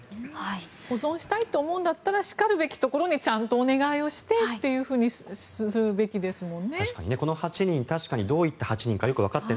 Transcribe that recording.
保存したいと思うんだったらしかるべきところにちゃんとお願いしてというふうにするべきですもんね。